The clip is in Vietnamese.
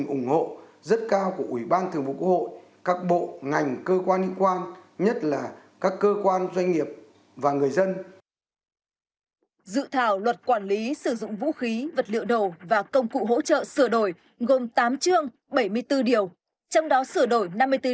ubnd đã nhất trí cao với hồ sơ dự án luật quản lý sử dụng vũ khí vật liệu nổ và công cụ hỗ trợ sửa đổi